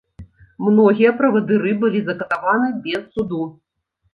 Многія правадыры былі закатаваны без суду.